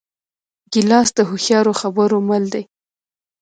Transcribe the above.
ګیلاس د هوښیارو خبرو مل دی.